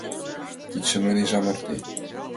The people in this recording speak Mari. Кидшым ынеж амырте.